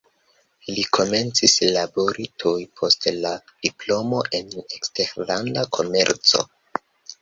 Li komencis labori tuj post la diplomo en eksterlanda komerco.